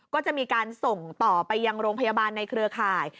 ก็จะมีการส่งต่อไปยังโรงพยาบาลในเครือข่าย